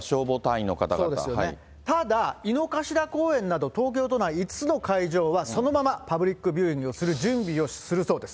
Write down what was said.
ただ、井の頭公園など、東京都内５つの会場は、そのままパブリックビューイングをする準備をするそうです。